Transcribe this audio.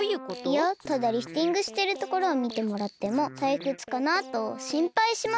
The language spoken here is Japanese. いやただリフティングしてるところをみてもらってもたいくつかなとしんぱいしまして。